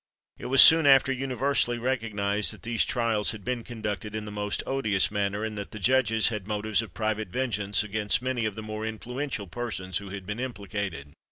It was soon after universally recognised that these trials had been conducted in the most odious manner, and that the judges had motives of private vengeance against many of the more influential persons who had been implicated.